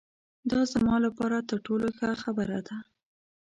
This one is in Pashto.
دا زما له پاره تر ټولو ښه خبره ده.